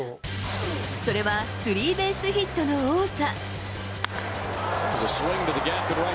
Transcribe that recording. それはスリーベースヒットの多さ。